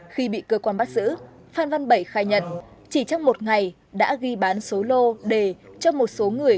khi bị cơ quan bắt giữ phan văn bảy khai nhận chỉ trong một ngày đã ghi bán số lô đề cho một số người